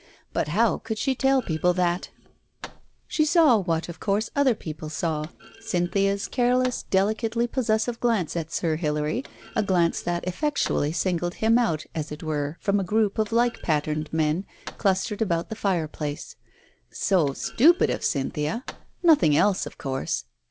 But how could she tell people that ! Digitized by Google THE MEMOIR 77 She saw, what, of course, other people saw, Cynthia's careless delicately possessive glance at Sir Hilary, a glance that effectually singled him out, as it were, from a group of like patterned men, clustered about the fire place. So stupid of Cynthia ! Nothing else, of course.